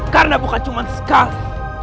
karena bukan cuma sekali